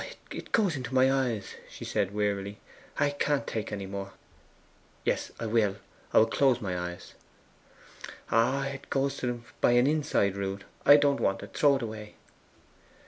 'It goes into my eyes,' she said wearily. 'I can't take any more. Yes, I will; I will close my eyes. Ah, it goes to them by an inside route. I don't want it; throw it away.